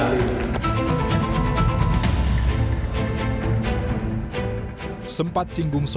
kalau bagi bagi ya banyak banyak sedikit boleh lah